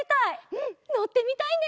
うんのってみたいね！